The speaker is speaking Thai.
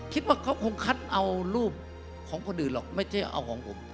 คิดว่าเขาคงคัดเอารูปของคนอื่นหรอกไม่ใช่เอาของผม